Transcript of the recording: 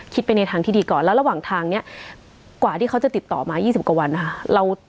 ไปในทางที่ดีก่อนแล้วระหว่างทางเนี่ยกว่าที่เขาจะติดต่อมา๒๐กว่าวันนะคะ